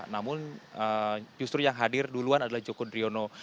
namun justru yang hadir duluan adalah joko driono